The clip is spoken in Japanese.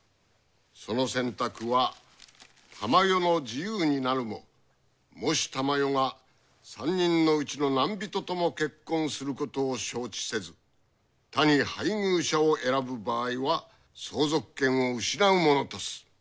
その選択は珠世の自由になるももし珠世が３人のうちのなんびととも結婚することを承知せず他に配偶者を選ぶ場合は相続権を失うものとす。